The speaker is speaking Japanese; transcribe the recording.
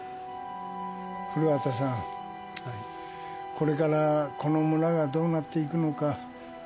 これからこの村がどうなって行くのか。